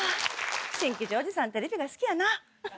新吉おじさんテレビが好きやな。